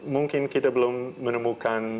mungkin kita belum menemukan